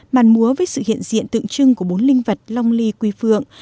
màn múa với sự hiện diện tượng trưng của bốn linh vật long ly quy phượng